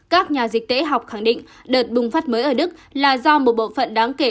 các nhà dịch tễ học khẳng định đợt bùng phát mới ở đức là do một bộ phận đáng kể